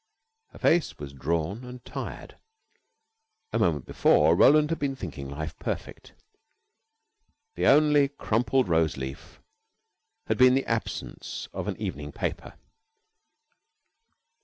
Her face was drawn and tired. A moment before, Roland had been thinking life perfect. The only crumpled rose leaf had been the absence of an evening paper.